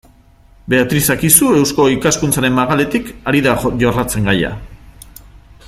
Beatriz Akizu Eusko Ikaskuntzaren magaletik ari da jorratzen gaia.